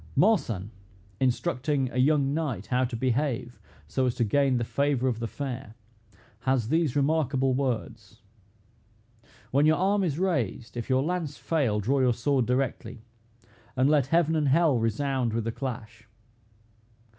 Marsan, instructing a young knight how to behave so as to gain the favor of the fair, has these remarkable words: "When your arm is raised, if your lance fail, draw your sword directly; and let heaven and hell resound with the clash.